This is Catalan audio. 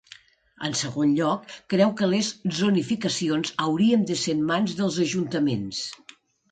En segon lloc, creu que les zonificacions haurien de ser en mans dels ajuntaments.